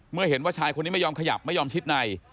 เมื่อเห็นว่าชายคนนี้ไม่ยอมขยับไม่ยอมชิดใน